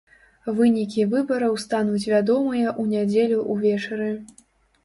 Вынікі выбараў стануць вядомыя ў нядзелю ўвечары.